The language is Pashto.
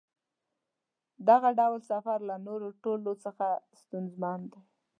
دغه ډول سفر له نورو ټولو څخه ستونزمن دی.